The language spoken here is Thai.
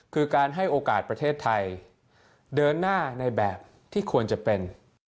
คือการให้โอกาสประเทศไทยเดินหน้าในแบบที่ควรจะเป็น